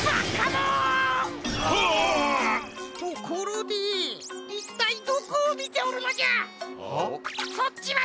ところでいったいどこをみておるのじゃ！は？